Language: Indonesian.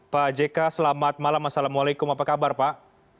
pak jk selamat malam assalamualaikum apa kabar pak